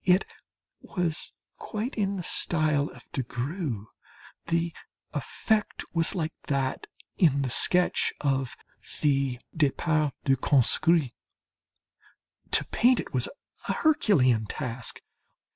It was quite in the style of de Groux; the effect was like that in the sketch of the "Départ du Conscrit." To paint it was a herculean task.